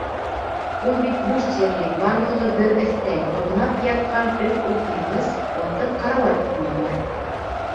Ул буш тиерлек, барлығы бер өҫтәл, аунап ятҡан өс ултырғыс, ватыҡ карауат ҡына бар.